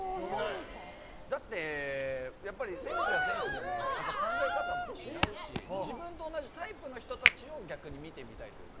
だって選手は選手でも考え方も違うし自分と同じタイプの人たちを逆に見てみたいというか。